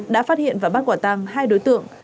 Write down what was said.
đã phát hiện và bắt quả tăng hai đối tượng